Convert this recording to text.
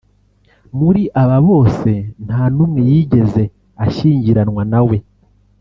muri aba bose nta n’umwe yigeze ashyingiranwa na we